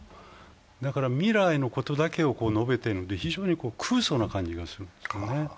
だから未来のことだけを述べているのは非常に空疎な感じがする。